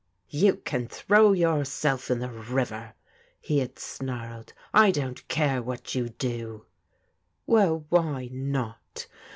" You can throw yourself in the river," he had snarled. " I don't care what you do." Well, why not